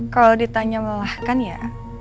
kalau ditanya melelahkan ya